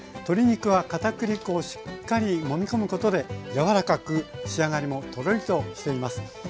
鶏肉はかたくり粉をしっかりもみ込むことで柔らかく仕上がりもとろりとしています。